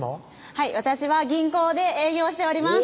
はい私は銀行で営業しております